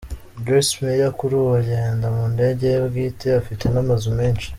Joyce Meyer kuri ubu agenda mu ndege ye bwite, afite n’amazu menshi.